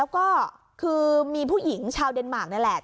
ก็คือมีผู้หญิงชาวเดนมาร์คนี่แหละ